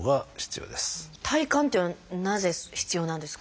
体幹っていうのはなぜ必要なんですか？